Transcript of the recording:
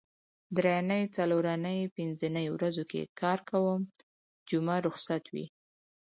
درېنۍ څلورنۍ پینځنۍ ورځو کې کار کوم جمعه روخصت وي